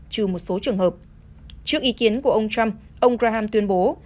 trừ một số trường hợp trước ý kiến của ông trump ông raham tuyên bố